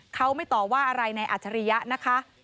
เขาไม่ต่อว่าอะไรในอัจฉริยะนะคะ